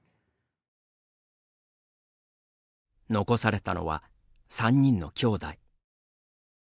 残されたのは３人のきょうだい。